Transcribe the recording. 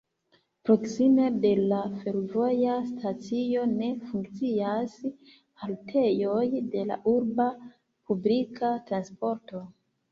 Proksime de la fervoja stacio ne funkcias haltejoj de la urba publika transporto.